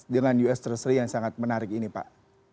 dengan us treasury yang sangat menarik ini pak